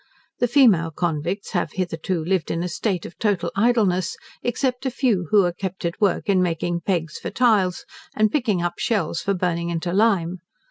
The female convicts have hitherto lived in a state of total idleness; except a few who are kept at work in making pegs for tiles, and picking up shells for burning into lime.